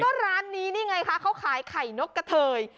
ก็ร้านนี้นี่ไงคะเขาขายไข่นกกระเทย